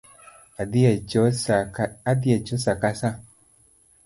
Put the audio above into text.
Adhi echo sa ka sa